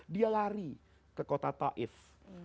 dia lari ke kota taif